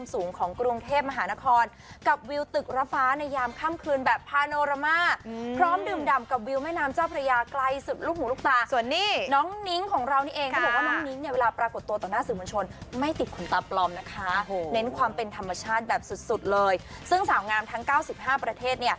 สูงของกรุงเทพมหานครกับวิวตึกระฟ้าในยามค่ำคืนแบบพาโนรามาพร้อมดึงดำกับวิวแม่นามเจ้าบริยะใกล้สุดลูกหูลูกปลาส่วนนี้น้องนิ้งของเรานี่เองก็บอกว่าน้องนิ้งเนี่ยเวลาปรากฏตัวต่อหน้าสื่อมันชนไม่ติดคุณตาปลอมนะคะเน้นความเป็นธรรมชาติแบบสุดเลยซึ่งสาวงามทั้ง๙๕ประเท